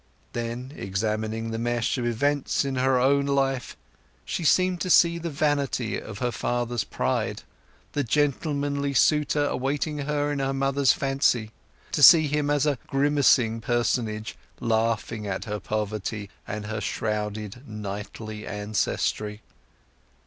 Then, examining the mesh of events in her own life, she seemed to see the vanity of her father's pride; the gentlemanly suitor awaiting herself in her mother's fancy; to see him as a grimacing personage, laughing at her poverty and her shrouded knightly ancestry.